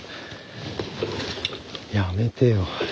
やめてよ。